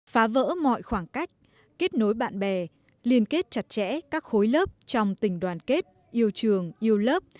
phá vỡ mọi khoảng cách kết nối bạn bè liên kết chặt chẽ các khối lớp trong tình đoàn kết yêu trường yêu lớp